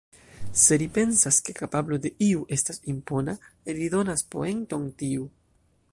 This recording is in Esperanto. Se ri pensas ke kapablo de iu estas impona, ri donas poenton tiu.